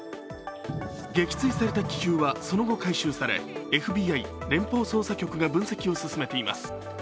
撃墜された気球はその後回収されＦＢＩ＝連邦捜査局が分析を進めています。